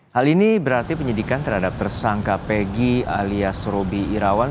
hal ini berarti penyidikan terhadap tersangka pegi alias robi irawan